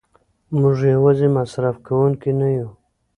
موږ یوازې مصرف کوونکي نه یو.